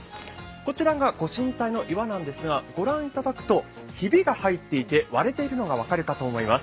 こちらが御神体の岩なんですが、御覧いただくとひびが入っていて、割れているのが分かるかと思います。